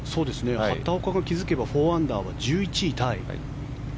畑岡が気付けば４アンダーは１１位タイ。